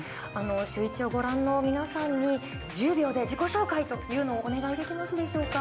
シューイチをご覧の皆さんに、１０秒で自己紹介というのをお願いできますでしょうか。